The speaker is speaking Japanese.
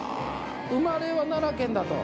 生まれは奈良県だと。